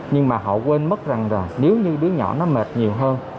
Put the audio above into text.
nhưng mà họ quên mất rằng rồi nếu như đứa nhỏ nó mệt nhiều hơn